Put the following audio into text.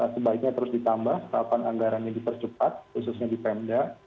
sebaiknya terus ditambah setapan anggarannya dipercepat khususnya di pemda